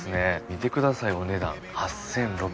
見てくださいお値段。